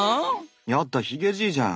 やっだヒゲじいじゃん。